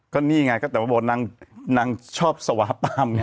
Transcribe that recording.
ก็นี่ไงแต่บอกว่านางชอบสวาปัมนี่